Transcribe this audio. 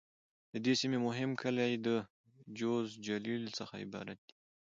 د دې سیمې مهم کلي د: جوز، جلیل..څخه عبارت دي.